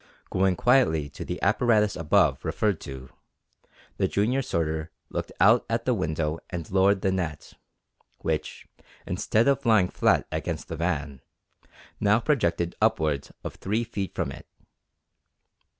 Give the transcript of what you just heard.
Going quietly to the apparatus above referred to, the junior sorter looked out at the window and lowered the net, which, instead of lying flat against the van, now projected upwards of three feet from it.